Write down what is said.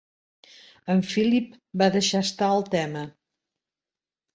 En Philip va deixar estar el tema.